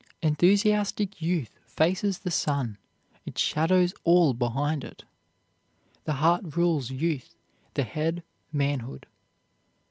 Enthusiastic youth faces the sun, it shadows all behind it. The heart rules youth; the head, manhood.